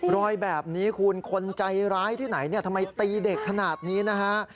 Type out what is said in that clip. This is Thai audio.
รอยแบบนี้คุณคนใจร้ายที่ไหนเนี่ยทำไมตีเด็กขนาดนี้นะฮะ